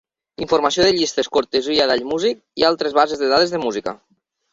Informació de llistes cortesia d'Allmusic i altres bases de dades de música.